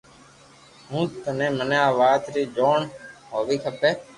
ھون ھين مني آوات ري جوڻ ھووي کمي